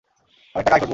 অনেক টাকা আয় করব।